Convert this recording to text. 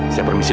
saya permisi bu